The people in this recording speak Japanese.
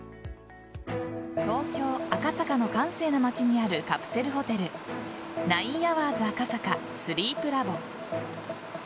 東京・赤坂の閑静な街にあるカプセルホテルナインアワーズ赤坂スリープラボ。